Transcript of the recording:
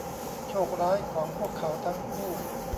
โชคร้ายของพวกเขาทั้งคู่